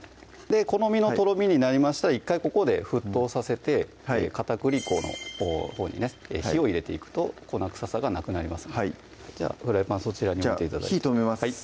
好みのとろみになりましたら１回ここで沸騰させて片栗粉のほうにね火を入れていくと粉臭さが無くなりますのではいフライパンそちらに置いてじゃあ火止めます